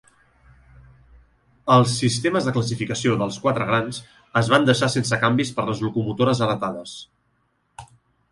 Els sistemes de classificació dels "Quatre grans" es van deixar sense canvis per les locomotores heretades.